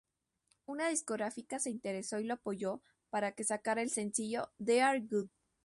Una discográfica se interesó y lo apoyó para que sacara el sencillo "Dear God".